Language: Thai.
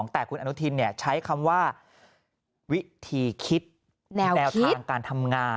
แต่คุณอนุทินใช้คำว่าวิธีคิดแนวทางการทำงาน